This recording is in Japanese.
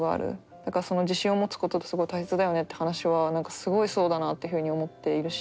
だから自信を持つことってすごい大切だよねって話はすごいそうだなっていうふうに思っているし。